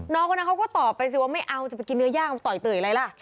คนนั้นเขาก็ตอบไปสิว่าไม่เอาจะไปกินเนื้อย่างต่อยเตยอะไรล่ะ